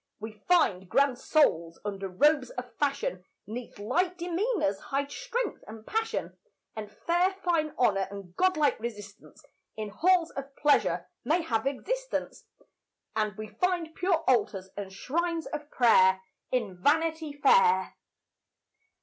We find grand souls under robes of fashion, 'Neath light demeanours hide strength and passion; And fair fine honour and godlike resistance In halls of pleasure may have existence; And we find pure altars and shrines of prayer In Vanity Fair.